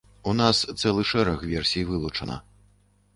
У нас цэлы шэраг версій вылучана.